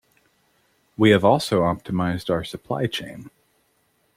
We have also optimised our supply chain.